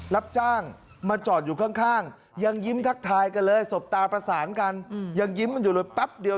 รับจ้างมาจอดอยู่ข้างยังยิ้มทักทายกันเลยสบตาประสานกันยังยิ้มกันอยู่เลยแป๊บเดียว